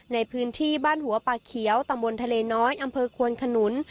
ในพื้นที่บ้านหัวปากเขียวตำบลทะเลน้อยอำเภอควนขนุน